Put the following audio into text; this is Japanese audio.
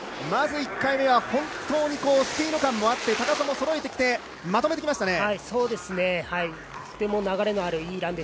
まず１回目は本当にスピード感もあって、高さもそろえてきてまとめてきました。